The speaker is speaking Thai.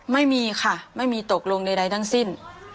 ไม่มีค่ะไม่มีตกลงใดทั้งสิ้น